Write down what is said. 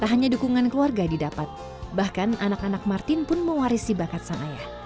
tak hanya dukungan keluarga didapat bahkan anak anak martin pun mewarisi bakat sang ayah